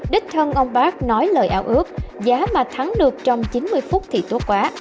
đích thân ông park nói lời ảo ước giá mà thắng được trong chín mươi phút thì tốt quá